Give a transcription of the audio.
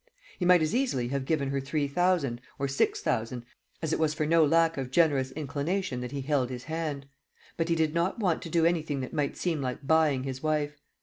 He might as easily have given her three thousand, or six thousand, as it was for no lack of generous inclination that he held his hand; but he did not want to do anything that might seem like buying his wife.